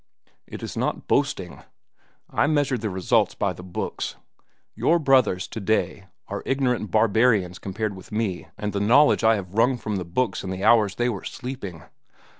It is not boasting. I measure the results by the books. Your brothers, to day, are ignorant barbarians compared with me and the knowledge I have wrung from the books in the hours they were sleeping.